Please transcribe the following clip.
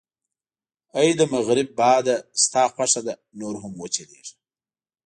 اې د مغرب باده، ستا خوښه ده، نور هم و چلېږه.